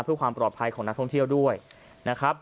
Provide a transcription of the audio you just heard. เพื่อความปลอดภัยของนักท่องเที่ยวด้วยนะครับ